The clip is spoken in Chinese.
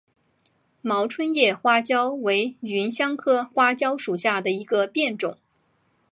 毛椿叶花椒为芸香科花椒属下的一个变种。